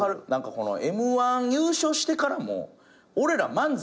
このＭ−１優勝してからも俺ら漫才